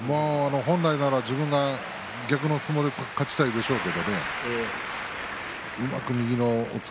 本来なら自分は逆の相撲で勝ちたいでしょうけれどもうまく右の押っつけ。